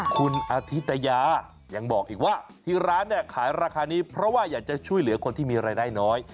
คุณอธิตยายังบอกอีกว่าที่ร้านเนี่ยขายราคานี้เพราะว่าอยากจะช่วยเหลือคนที่มีรายได้น้อย